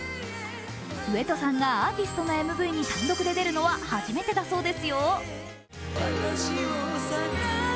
上戸さんがアーティストのＭＶに単独で出るのは初めてだそうですよ。